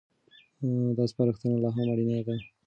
دا سپارښتنه لا هم اړينه ده.